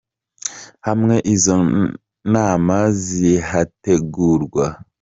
Hamwe izo nama zihategurwa